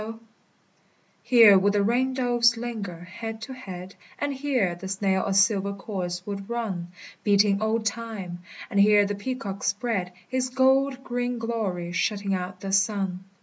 = Here would the ring doves linger, head to head; And here the snail a silver course would run, Beating old Time; and here the peacock spread His gold green glory, shutting out the sun.